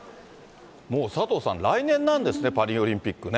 もう佐藤さん、来年なんですね、パリオリンピックね。